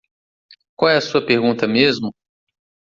Qual é a sua pergunta mesmo?